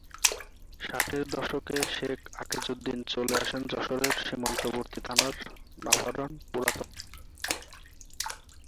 ষাটের দশকে শেখ আকিজউদ্দীন চলে আসেন যশোরের সীমান্তবর্তী থানার নাভারন পুরাতন বাজারে।